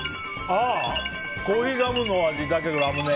ああ、コーヒーガムの味だけどラムネ。